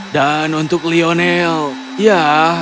dan untuk lionel ya